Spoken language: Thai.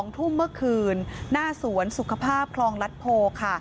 ๒ทุ่มเมื่อคืนหน้าสวนสุขภาพคลองลัดโพค่ะ